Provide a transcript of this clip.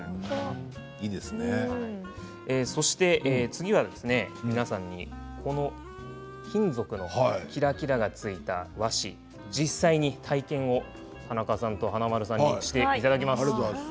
次は皆さんにこの金属のキラキラがついた和紙実際に体験を華丸さんと田中さんにしていただきます。